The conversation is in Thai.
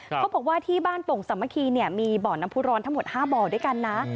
เขาบอกว่าที่บ้านโป่งสามัคคีเนี่ยมีบ่อน้ำผู้ร้อนทั้งหมด๕บ่อด้วยกันนะ